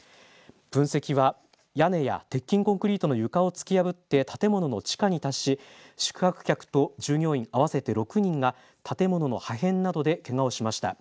噴石は屋根や鉄筋コンクリートの床を突き破って建物の地下に達し宿泊客と従業員、合わせて６人が建物の破片などでけがをしました。